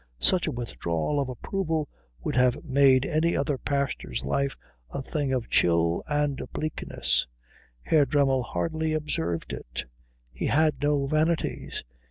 Such a withdrawal of approval would have made any other pastor's life a thing of chill and bleakness; Herr Dremmel hardly observed it. He had no vanities.